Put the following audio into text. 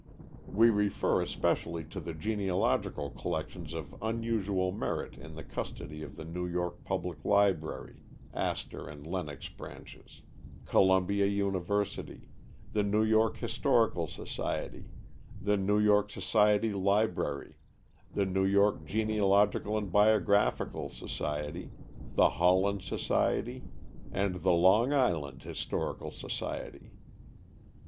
We refer especially to the genealogical collections of unusual merit in the custody of the New York Public Library (Astor and Lenox Branches), Columbia University, the New York Historical Society, the New York Society Library, the New York Genealogical and Biographical Society, the Holland Society and the Long Island Historical Society.